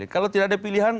kalau tidak ada pilihan